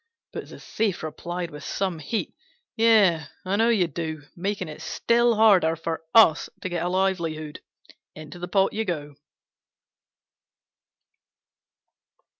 But the Thief replied with some heat, "Yes, I know you do, making it still harder for us to get a livelihood. Into the pot you go!"